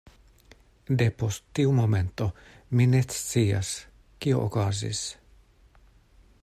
Depost tiu momento, mi ne scias, kio okazis.